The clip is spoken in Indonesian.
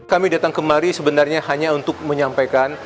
kami datang kemari sebenarnya hanya untuk menyampaikan